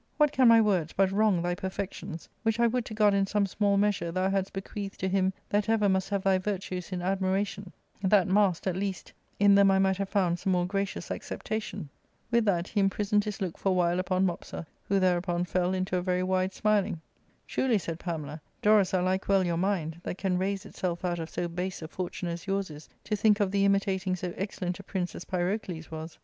what can my words but wrong thy per fections, which I would to God in some small measure thou hadst bequeathed to him that ever must have thy virtues in admiration, that masked, at least, in them I might have found some more gracious acceptation ?*' With that he im prisoned his look for a while upon Mopsa, who thereupon fell into a very wide smiling. " Truly," said Pamela, "Dorus, I like well your mind, that can raise itself out of so base a fortune as yours is to think of the imitating so excellent a prince as Pyrocles was.